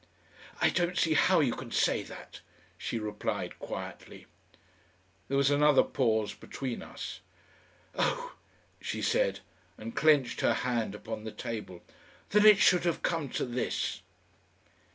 "I don't see how you can say that," she replied quietly. There was another pause between us. "Oh!" she said and clenched her hand upon the table. "That it should have come to this!"